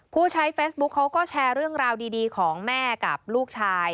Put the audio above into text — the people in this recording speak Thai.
ผู้ใช้เฟซบุ๊คเขาก็แชร์เรื่องราวดีของแม่กับลูกชาย